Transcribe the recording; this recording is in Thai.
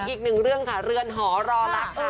อีกหนึ่งเรื่องค่ะเรื่อนหอล่อนั่งนะคะ